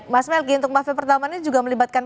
mas melgi untuk mfa pertambangannya juga melibatkan